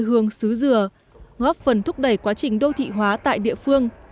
quê hương xứ dừa ngóp phần thúc đẩy quá trình đô thị hóa tại địa phương